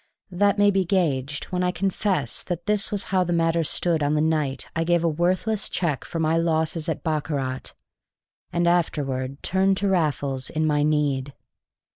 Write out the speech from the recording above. That may be gauged when I confess that this was how the matter stood on the night I gave a worthless check for my losses at baccarat, and afterward turned to Raffles in my need.